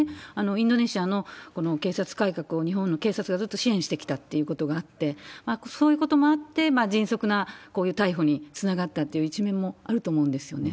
インドネシアのこの警察改革を日本の警察がずっと支援してきたってことがあって、そういうこともあって、迅速な逮捕につながったという一面もあると思うんですよね。